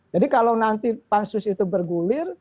jadi kalau nanti pansus itu bergulir